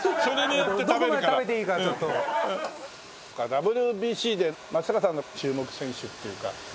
ＷＢＣで松坂さんの注目選手っていうか。